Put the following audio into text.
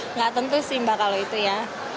nggak tentu sih mbak kalau itu ya